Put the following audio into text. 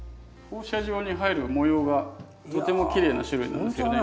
放射状に入る模様がとてもきれいな種類なんですよね。